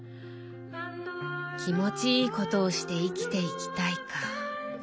「気持ちいいことをして生きていきたい」か。